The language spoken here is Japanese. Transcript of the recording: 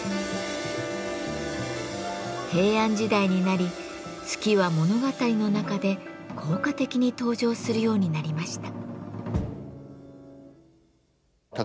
平安時代になり月は物語の中で効果的に登場するようになりました。